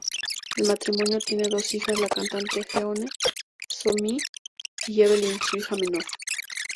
El matrimonio tiene dos hijas, la cantante Jeon So-mi y Evelyn, su hija menor.